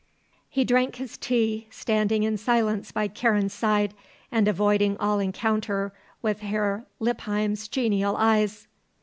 He drank his tea, standing in silence by Karen's side, and avoiding all encounter with Herr Lippheim's genial eyes.